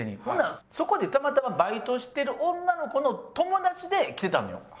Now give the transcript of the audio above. ほんならそこでたまたまバイトしてる女の子の友達で来てたのよ